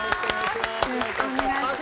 よろしくお願いします。